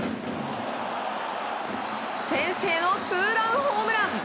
先制のツーランホームラン！